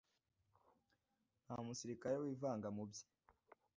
nta musirikare wivanga mubye